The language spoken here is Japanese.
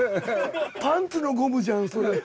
パンツのゴムじゃんそれ。